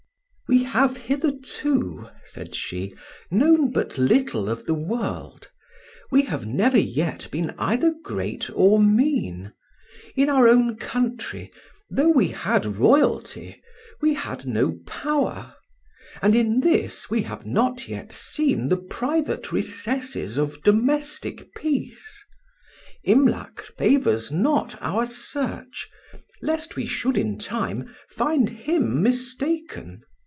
"We have hitherto," said she, "known but little of the world; we have never yet been either great or mean. In our own country, though we had royalty, we had no power; and in this we have not yet seen the private recesses of domestic peace. Imlac favours not our search, lest we should in time find him mistaken.